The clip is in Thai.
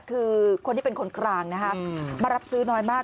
คือคนที่เป็นคนกลางมารับซื้อน้อยมาก